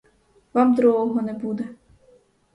Вам другого не буде.